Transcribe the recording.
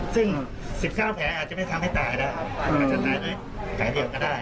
ซึ่ง๑๙แผลอาจจะไม่ทำให้ตายได้อาจจะตายด้วยแผลเดียวก็ได้